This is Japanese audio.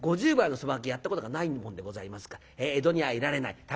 ５０枚のそば賭けやったことがないもんでございますから江戸にはいられない。